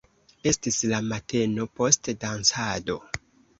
Estis la mateno post dancado.